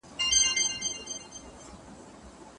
د قسم پرېښوول ولي په شریعت کې منع دي؟